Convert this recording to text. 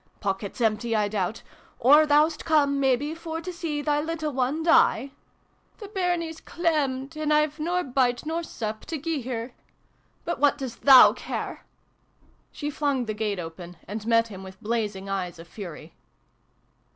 Pockets empty, I doubt ? Or thou'st come, mebbe, for to see thy little one die ? The bairnie's clemmed, and I've nor bite nor sup 86 SYLVIE AND BRUNO CONCLUDED. to gie her. But what does tkou care ?" She flung the gate open, and met him with blazing eyes of fury.